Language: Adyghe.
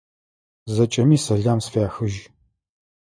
Зэкӏэми сэлам сфяхыжь!